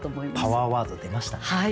パワーワード出ましたね。